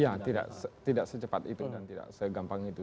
ya tidak secepat itu dan tidak segampang itu